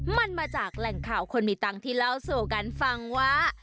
มันมาจากแหล่งข่าวคนมีตังค์ที่เล่าสู่กันฟังว่า